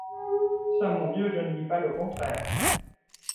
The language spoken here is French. Ça, mon Dieu, je ne dis pas le contraire.